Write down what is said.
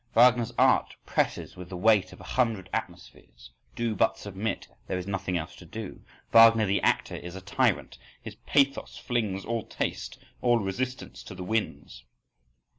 Wagner's art presses with the weight of a hundred atmospheres: do but submit, there is nothing else to do.… Wagner the actor is a tyrant, his pathos flings all taste, all resistance, to the winds.